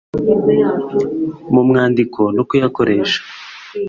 mu mwandiko no kuyakoresha